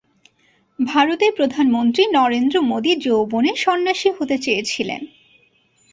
ভারতের প্রধানমন্ত্রী নরেন্দ্র মোদী যৌবনে সন্ন্যাসী হতে চেয়েছিলেন।